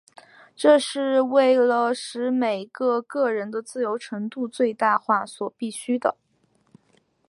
这是为了使每个个人的自由程度最大化所必需的。